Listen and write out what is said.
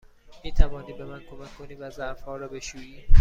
می توانی به من کمک کنی و ظرف ها را بشویی؟